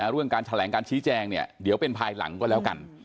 เรื่องการแถลงการชี้แจงเนี่ยเดี๋ยวเป็นภายหลังก็แล้วกัน